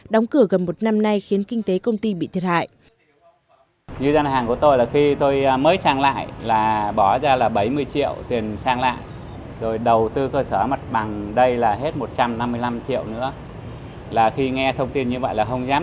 đóng cửa gần một năm nay khiến kinh tế công ty bị thiệt hại